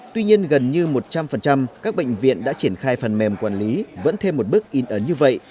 tuy nhiên gần như một trăm linh các bệnh viện đã triển khai phần mềm quản lý vẫn thêm một bước in ấn như vậy